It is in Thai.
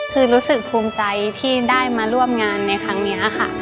คือรู้สึกภูมิใจที่ได้มาร่วมงานในครั้งนี้ค่ะ